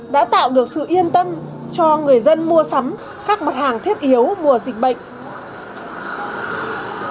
đã tạo được sự yên tâm cho người dân mua sắm các mặt hàng thiết yếu mùa dịch bệnh